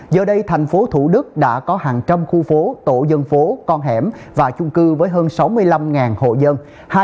giờ đây thành phố thủ đức đã có hàng trăm khu phố tổ dân phố con hẻm và chung cư với hơn sáu mươi năm hộ dân